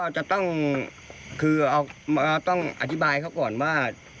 จะต้องคือต้องอธิบายเขาก่อนว่า